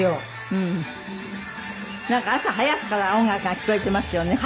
なんか朝早くから音楽が聞こえてますよね。